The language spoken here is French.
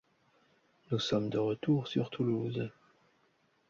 Nous sommes de retour sur Toulouse.